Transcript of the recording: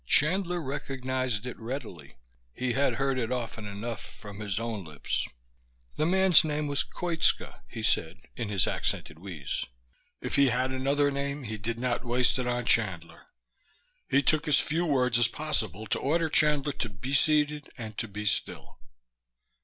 Chandler recognized it readily. He had heard it often enough, from his own lips. The man's name was Koitska, he said in his accented wheeze. If he had another name he did not waste it on Chandler. He took as few words as possible to order Chandler to be seated and to be still.